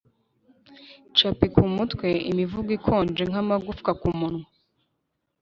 cap kumutwe, imivugo ikonje nkamagufwa kumunwa